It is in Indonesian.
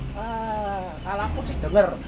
kalau aku sih denger